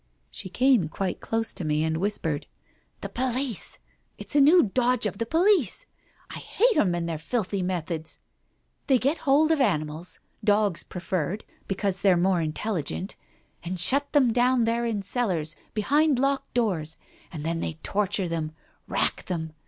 She came quite close to me and whispered, "The police ! It's a new dodge of the police. I hate 'em and their filthy methods ! They get hold of animals — dogs preferred, because they're more intelligent — and shut them down there in cellars, behind locked doors, and then they torture them, rack them.